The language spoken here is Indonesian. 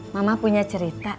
mama punya cerita